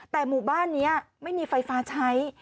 แต่หมู่บ้านนี้ไม่มีไฟฟ้าใช้